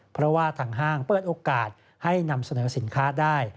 เพราะว่าทางห้างเปิดโอกาสให้นำเสนอสินค้าได้